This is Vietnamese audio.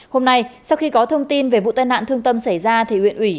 hôm nay sau khi có thông tin về vụ tai nạn thương tâm xảy ra thì huyện ủy